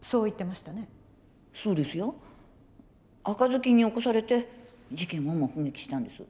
そうですよ赤ずきんに起こされて事件を目撃したんです。